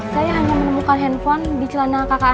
saya hanya menemukan handphone di celana kakak